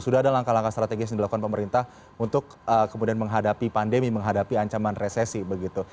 sudah ada langkah langkah strategis yang dilakukan pemerintah untuk kemudian menghadapi pandemi menghadapi ancaman resesi begitu